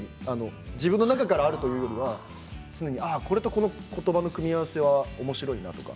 自分の中からあるというよりはこの言葉の組み合わせはおもしろいなとか。